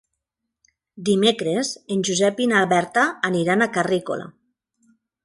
Dimecres en Josep i na Berta aniran a Carrícola.